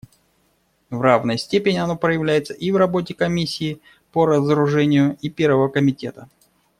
В равной степени оно проявляется и в работе Комиссии по разоружению и Первого комитета.